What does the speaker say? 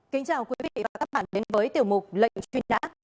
kính chào quý vị và các bạn đến với tiểu mục lệnh truy nã